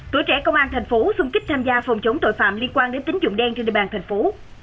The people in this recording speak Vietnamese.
tuổi trẻ công an thành phố xung kích tham gia phòng chống tội phạm liên quan đến tính dụng đen trên địa bàn thành phố